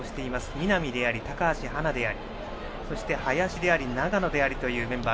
南であり高橋はなでありそして、林であり長野でありというメンバー。